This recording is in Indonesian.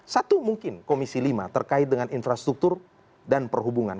satu mungkin komisi lima terkait dengan infrastruktur dan perhubungan